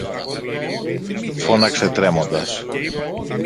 φώναξε τρέμοντας.